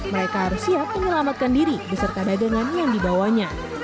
mereka harus siap menyelamatkan diri beserta dagangan yang dibawanya